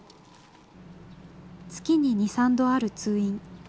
月に２、３度ある通院。